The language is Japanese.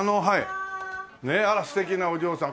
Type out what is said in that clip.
あら素敵なお嬢さん。